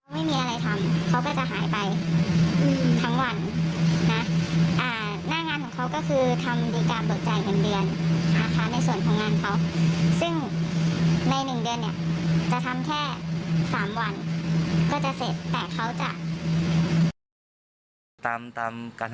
ไม่มีอะไรทำเขาก็จะหายไปทั้งวันนะ